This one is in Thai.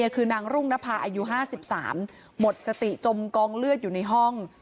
คือนางรุ่งนภาอายุ๕๓หมดสติจมกองเลือดอยู่ในห้อง